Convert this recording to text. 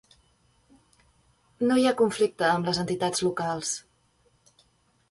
No hi ha conflicte amb les entitats locals.